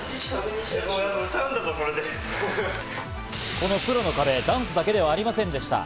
このプロの壁、ダンスだけではありませんでした。